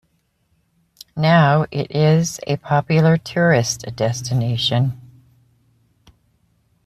Now it is a popular tourist destination.